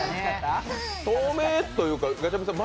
透明というか、ガチャピンさん